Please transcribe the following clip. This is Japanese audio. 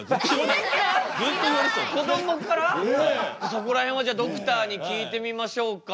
そこら辺はじゃあドクターに聞いてみましょうか。